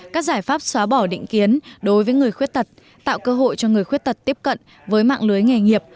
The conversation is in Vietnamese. các giải pháp xóa bỏ định kiến đối với người khuyết tật tạo cơ hội cho người khuyết tật tiếp cận với mạng lưới nghề nghiệp